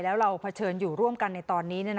แล้วเราเผชิญอยู่ร่วมกันในตอนนี้